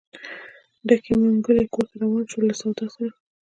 ډکې منګولې کور ته روان شول له سودا سره.